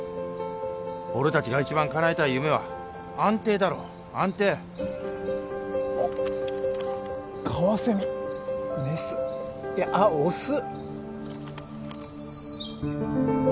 俺達が一番かなえたい夢は安定だろ安定あっカワセミメスいやあっオス